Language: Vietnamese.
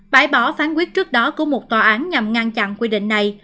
bãi bỏ phán quyết trước đó của một tòa án nhằm ngăn chặn quy định này